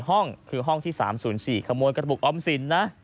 ห้องคือห้องที่๓๐๔ขโมยกระปุกออมสินนะ